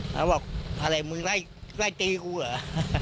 เขาบอกอะไรมึงไล่ตีกูเหรอ